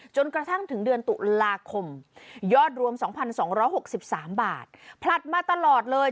จนกระทั่งถึงเดือนตุลาคมยอดรวม๒๒๖๓บาทผลัดมาตลอดเลย